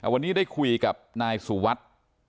วันนี้ได้คุยกับนายสุวัสดิ์